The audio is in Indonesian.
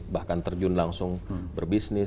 bahkan terjun langsung berbisnis